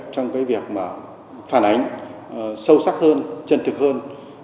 trong việc phản ảnh sâu sắc hơn chân thực hơn